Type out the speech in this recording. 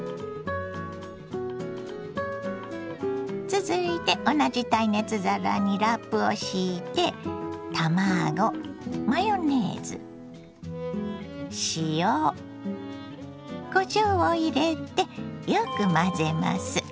続いて同じ耐熱皿にラップを敷いて卵マヨネーズ塩こしょうを入れてよく混ぜます。